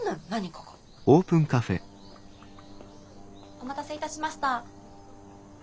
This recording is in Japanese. お待たせいたしました。